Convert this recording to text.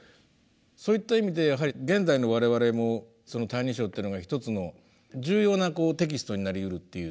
そういった意味で現代の我々もその「歎異抄」っていうのが一つの重要なテキストになりうるっていうふうに考えてよろしいんでしょうか。